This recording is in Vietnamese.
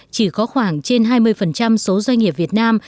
chỉ có khoảng trên hai mươi số doanh nghiệp việt nam